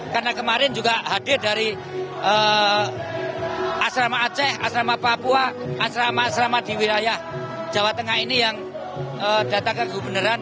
karena kemarin juga hadir dari asrama aceh asrama papua asrama asrama di wilayah jawa tengah ini yang datang ke gubernuran